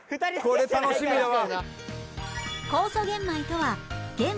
これ楽しみだわ。